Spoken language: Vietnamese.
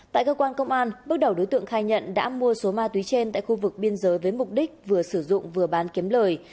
tại cơ quan công an bước đầu đối tượng khai nhận đã mua số ma túy trên tại khu vực biên giới với mục đích vừa sử dụng vừa bán kiếm lời